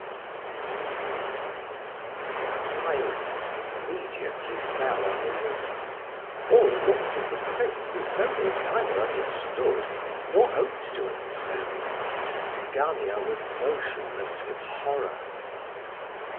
IX. Silence immediately fell on the room; all looked at the prince as though they neither understood, nor hoped to understand. Gania was motionless with horror.